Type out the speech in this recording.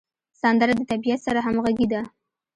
سندره د طبیعت سره همغږې ده